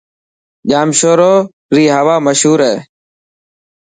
ڄامشوري ري هوا مشهور هي.